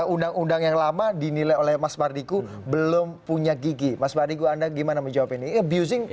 undang undang yang lama dinilai oleh mas mardiku belum punya gigi mas mardigu anda gimana menjawab ini abusing